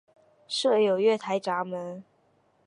设有月台闸门。